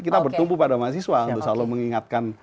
kita bertumpu pada masiswa untuk selalu mengingatkan